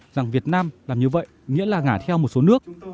rằng việt nam làm như vậy nghĩa là ngả theo một số nước